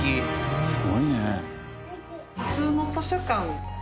すごいね。